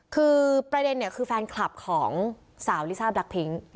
คือประเด็นเนี่ยคือแฟนคลับของสาวลิซ่าแบล็คพิ้ง